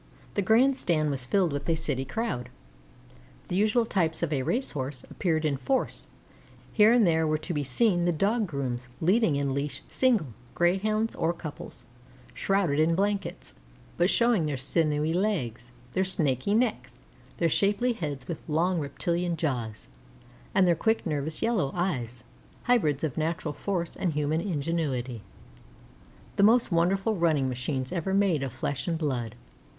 The Grand Stand was filled with a city crowd. The usual types of a racecourse appeared in force. Here and there were to be seen the dog grooms leading in leash single Greyhounds or couples, shrouded in blankets, but showing their sinewy legs, their snaky necks, their shapely heads with long reptilian jaws, and their quick, nervous yellow eyes hybrids of natural force and human ingenuity, the most wonderful running machines ever made of flesh and blood.